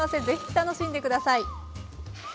ぜひ楽しんで下さい。